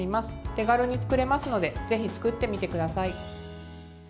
手軽に作れますのでぜひ作ってみてください。